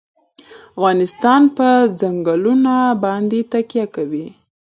افغانستان په چنګلونه باندې تکیه لري.